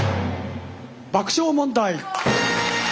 爆笑問題。